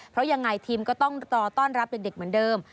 เพราะยังไงทีมก็ต้องรอต้อนรับเด็กเหมือนเดิม